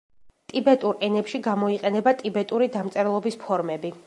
ტიბეტურ ენებში გამოიყენება ტიბეტური დამწერლობის ფორმები.